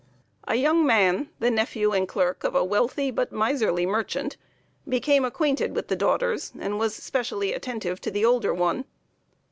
A young man, the nephew and clerk of a wealthy but miserly merchant, became acquainted with the daughters, and was specially attentive to the older one.